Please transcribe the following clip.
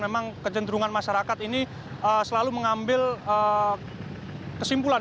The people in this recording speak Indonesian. memang kecenderungan masyarakat ini selalu mengambil kesimpulan